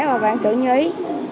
và vạn sự nhí